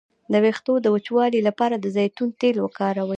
د ویښتو د وچوالي لپاره د زیتون تېل وکاروئ